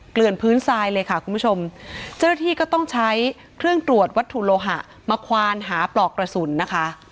คุณผู้ชมเจ้าที่ก็ต้องใช้เครื่องตรวจวัตถุโลหะมาควานหาปลอกกระสุนนะคะ